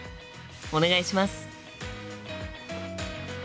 お願いします。